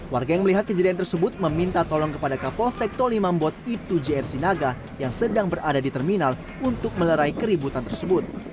warga yang melihat kejadian tersebut meminta tolong kepada kapolsek tolimambot ibtu jr sinaga yang sedang berada di terminal untuk melerai keributan tersebut